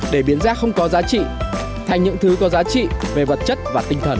để biến rác không có giá trị thành những thứ có giá trị về vật chất và tinh thần